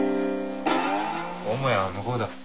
母屋は向こうだ。